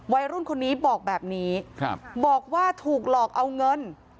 วัยรุ่นคนนี้บอกแบบนี้บอกว่าถูกหลอกเอาเงิน